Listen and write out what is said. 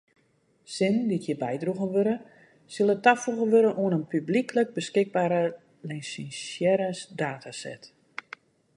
Sinnen dy’t hjir bydroegen wurde sille tafoege wurde oan in publyklik beskikbere lisinsearre dataset.